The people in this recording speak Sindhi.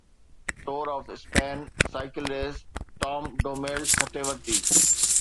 tour of Spain cycle race Tom Dumoulin کٽي ورتي